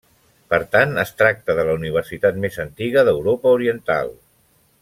Per tant, es tracta de la universitat més antiga d'Europa oriental.